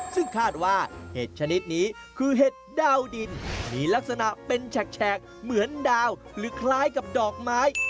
ซึ่งคาดว่าเห็ดชนิดนี้คือเห็ดดาวดินมีลักษณะเป็นแฉกเหมือนดาวหรือคล้ายกับดอกไม้